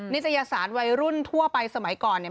ิตยสารวัยรุ่นทั่วไปสมัยก่อนเนี่ย